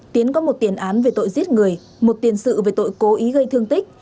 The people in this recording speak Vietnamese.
tiến có một tiền án về tội giết người một tiền sự về tội cố ý gây thương tích